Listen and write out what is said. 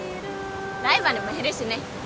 ライバルも減るしね。